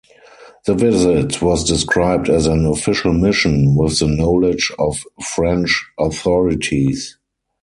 The visit was described as an "official mission" with the knowledge of French authorities.